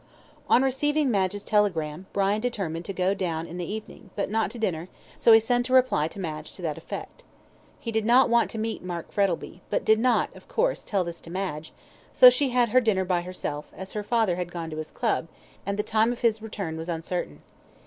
On receiving Madge's telegram, Brian determined to go down in the evening, but not to dinner, so he sent a reply to Madge to that effect. He did not want to meet Mark Frettlby, but did not of course, tell this to Madge, so she had her dinner by herself, as her father had gone to his club, and the time of his return was uncertain.